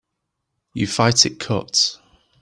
You fight it cut.